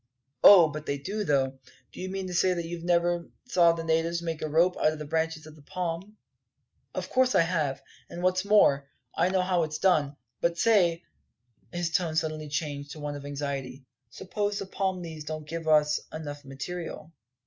"Oh, but they do, though. Do you mean to say that you never saw the natives make a rope out of the branches of a palm?" "Of course I have. And what's more, I know how it's done. But say," his tone suddenly changing to one of anxiety, "suppose the palm leaves don't give, us enough material?"